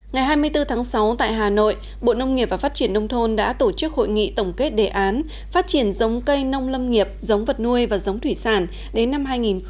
ngày hai mươi bốn tháng sáu tại hà nội bộ nông nghiệp và phát triển nông thôn đã tổ chức hội nghị tổng kết đề án phát triển giống cây nông lâm nghiệp giống vật nuôi và giống thủy sản đến năm hai nghìn hai mươi